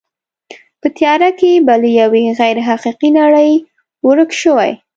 په تیاره کې به له یوې غیر حقیقي نړۍ ورک شوې.